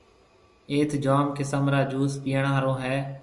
ايٿ جوم قسم را جوُس پِئيڻ هاورن هيَ۔